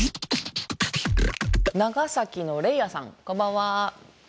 長崎のレイアさんこんばんは。